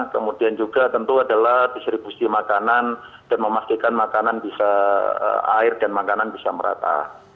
kemudian juga tentu adalah distribusi makanan dan memastikan makanan bisa air dan makanan bisa merata